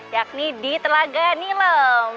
yakni di telaga nilem